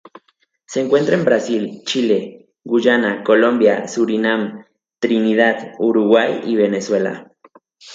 Se encuentra en Brasil, Chile, Guyana, Colombia, Surinam, Trinidad, Uruguay y Venezuela.